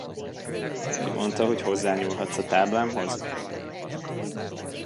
Ki mondta, hogy hozzányúlhatsz a táblámhoz?